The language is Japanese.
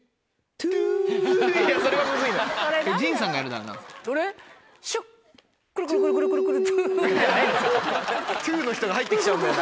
トゥの人が入って来ちゃうんだよな。